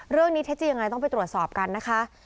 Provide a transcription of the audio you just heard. เรื่องนี้เทศจีย์ยังไงต้องไปตรวจสอบกันนะคะ